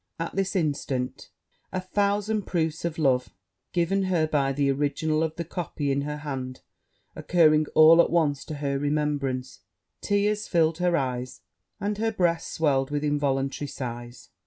At this instant, a thousand proofs of love given her by the original of the copy in her hand, occurring all at once to her remembrance, tears filled her eyes, and her breast swelled with involuntary sighs.